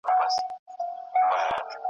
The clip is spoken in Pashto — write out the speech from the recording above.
ته به اورې شرنګا شرنګ له هره لوري ,